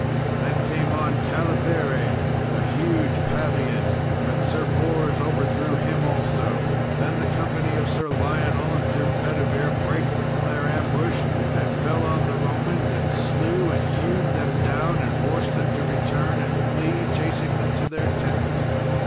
Then came on Calibere, a huge Pavian, but Sir Bors overthrew him also. And then the company of Sir Lionel and Sir Bedivere brake from their ambush and fell on the Romans, and slew and hewed them down, and forced them to return and flee, chasing them to their tents.